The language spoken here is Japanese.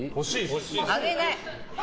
あげない！